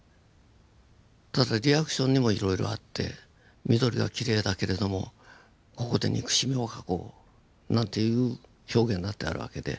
ただリアクションにもいろいろあって緑はきれいだけれどもここで憎しみを描こうなんていう表現だってあるわけで。